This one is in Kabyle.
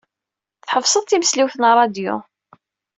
Tḥebseḍ timesliwt n ṛṛadyu.